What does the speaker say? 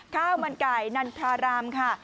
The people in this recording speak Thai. ข้าวมันไก่นันทรารามค่ะ